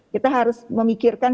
kita harus memikirkan